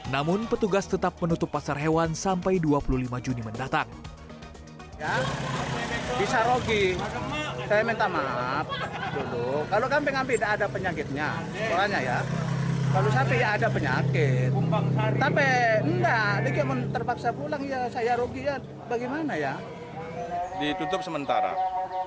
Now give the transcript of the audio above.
namun petugas tetap menutup pasar hewan sampai dua puluh lima juni mendatang